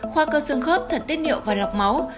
khoa cơ sương khớp thần tiết niệu và lọc máu